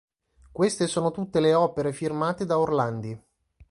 Queste sono tutte le opere firmate da Orlandi.